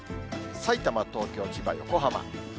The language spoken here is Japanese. さいたま、東京、千葉、横浜。